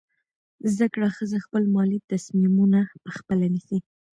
زده کړه ښځه خپل مالي تصمیمونه پخپله نیسي.